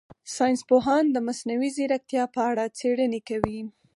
ساینس پوهان د مصنوعي ځیرکتیا په اړه څېړنې کوي.